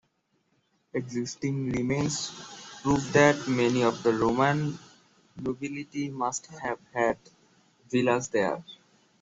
Existing remains prove that many of the Roman nobility must have had villas there.